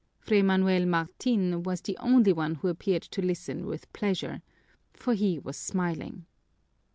Fray Manuel Martin was the only one who appeared to listen with pleasure, for he was smiling.